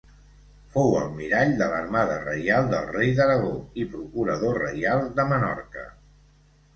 Fou almirall de l'Armada Reial del rei d'Aragó i Procurador reial de Menorca.